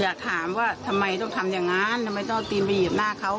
อยากถามว่าทำไมต้องทำอย่างนั้นทำไมต้องเอาตีนไปหีบหน้าเขา